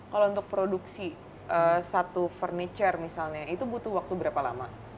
kalau untuk produksi satu furniture misalnya itu butuh waktu berapa lama